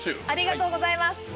ありがとうございます。